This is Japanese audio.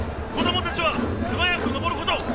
子どもたちはすばやくのぼること！